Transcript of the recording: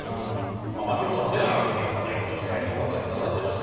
槙野さんも長く日本代表として、ご活躍なさってました。